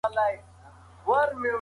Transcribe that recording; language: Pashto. دوه شبح سپوږمۍ هم احتمالاً شتون لري.